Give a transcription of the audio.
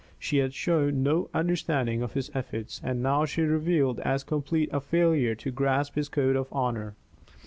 She had shown no understanding of his efforts, and now she revealed as complete a failure to grasp his code of honor.